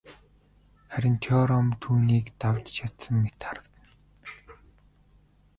Харин Теорем түүнийг давж чадсан мэт харагдана.